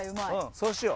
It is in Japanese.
そうしよう。